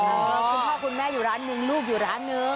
คุณพ่อคุณแม่อยู่ร้านนึงลูกอยู่ร้านนึง